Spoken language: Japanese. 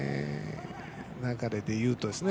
流れで言うとですね。